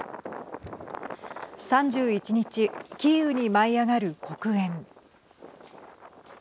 ３１日キーウに舞い上がる黒煙。